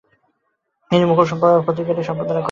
তিনি মুকুল পত্রিকাটি সম্পাদনাও করেছিলেন ।